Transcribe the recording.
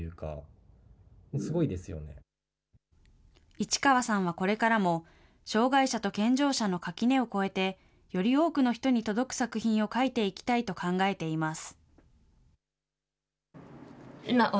市川さんはこれからも、障害者と健常者の垣根を越えて、より多くの人に届く作品を書いていきたいと考えています。